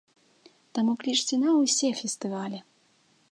Таму клічце на ўсе фестывалі!